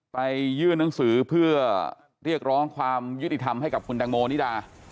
ไปยื่นหนังสือเพื่อเรียกร้องความยุติธรรมให้กับคุณตังโมนิดา